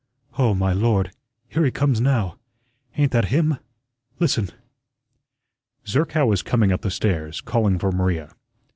Oh, my Lord, here he comes now! Ain't that him? Listen." Zerkow was coming up the stairs, calling for Maria.